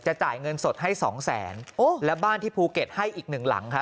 จ่ายเงินสดให้สองแสนและบ้านที่ภูเก็ตให้อีกหนึ่งหลังครับ